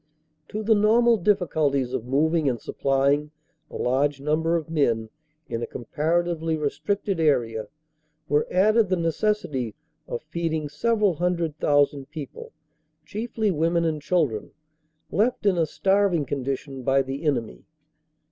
;< To the normal difficulties of moving and supplying a large number of men in a comparatively restricted area were added the necessity of feeding several hundred thousand people, chiefly women and children, left in a starving condition by the enemy.